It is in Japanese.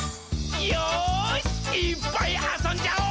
よーし、いーっぱいあそんじゃお！